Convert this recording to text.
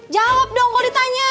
jawab dong kalo ditanya